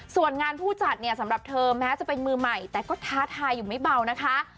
ส่วนงานผู้จัดเนี่ยสำหรับเธอแม้จะเป็นมือใหม่แต่ก็ท้าทายอยู่ไม่เบานะคะ